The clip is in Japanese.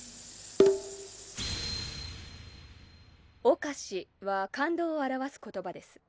「をかし」は感動を表す言葉です。